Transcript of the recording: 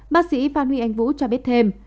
bác sĩ phan huy anh vũ cho biết thêm